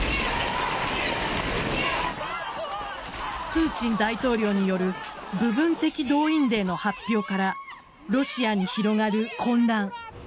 プーチン大統領による部分的動員令の発表からロシアに広がる混乱。